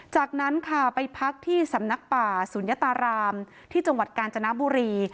จากนั้นค่ะไปพักที่สำนักป่าศูนยตารามที่จังหวัดกาญจนบุรี